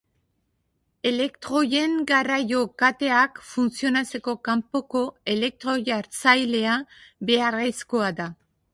Elektroien garraio kateak funtzionatzeko kanpoko elektroi-hartzailea beharrezkoa da.